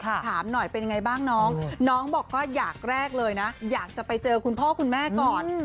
ถามหน่อยเป็นยังไงบ้างน้องน้องบอกว่าอยากแรกเลยนะอยากจะไปเจอคุณพ่อคุณแม่ก่อน